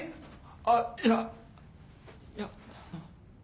あっいやいやあの。